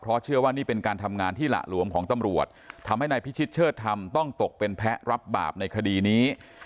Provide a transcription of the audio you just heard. เพราะเชื่อว่านี่เป็นการทำงานที่หละหลวมของตำรวจทำให้นายพิชิตเชิดธรรมต้องตกเป็นแพ้รับบาปในคดีนี้